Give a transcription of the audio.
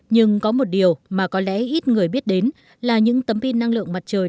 nhưng có một điều mà có lẽ ít người biết đến là những tấm pin năng lượng mặt trời